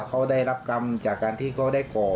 เขาได้รับกรรมจากการที่เขาได้ก่อ